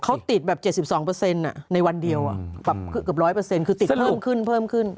เขาติดแบบ๗๒ในวันเดียวแบบเกือบ๑๐๐คือติดเพิ่มขึ้นเพิ่มขึ้น